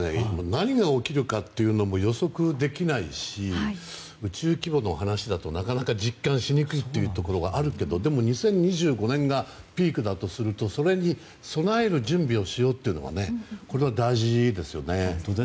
何が起きるかというのも予測できないし宇宙規模の話だとなかなか実感しにくいけど２０２５年がピークだとするとそれに備える準備をしようというのは大事ですよね。